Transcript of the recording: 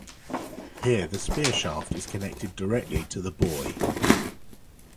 Here the spear shaft is connected directly to the buoy.